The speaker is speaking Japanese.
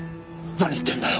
何言ってるんだよ